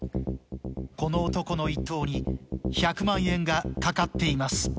この男の一投に１００万円が懸かっています。